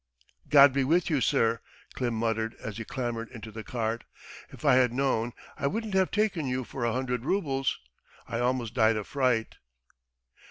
"God be with you, sir," Klim muttered as he clambered into the cart, "if I had known I wouldn't have taken you for a hundred roubles. I almost died of fright.